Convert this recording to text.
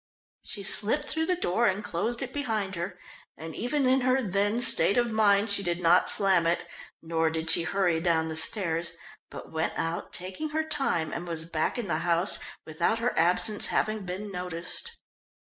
She slipped through the door and closed it behind her, and even in her then state of mind she did not slam it, nor did she hurry down the stairs, but went out, taking her time, and was back in the house without her absence having been noticed.